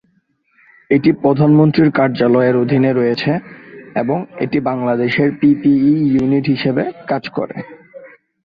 এটি প্রধানমন্ত্রীর কার্যালয়ের অধীনে রয়েছে এবং এটি বাংলাদেশের পিপিপি ইউনিট হিসাবে কাজ করে।